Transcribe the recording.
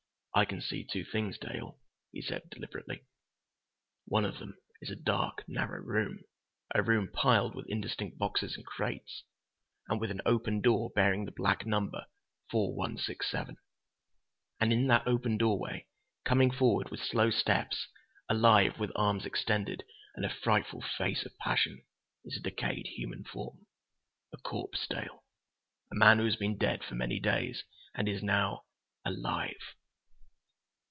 "I can see two things, Dale," he said deliberately. "One of them is a dark, narrow room—a room piled with indistinct boxes and crates, and with an open door bearing the black number 4167. And in that open doorway, coming forward with slow steps—alive, with arms extended and a frightful face of passion—is a decayed human form. A corpse, Dale. A man who has been dead for many days, and is now—alive!"